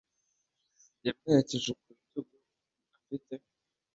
yamwerekeje ku rutugu afite